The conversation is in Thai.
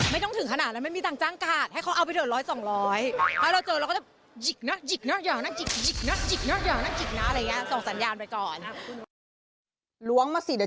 ไม่ต้องถึงขนาดนั้นไม่มีตังจ้างกาด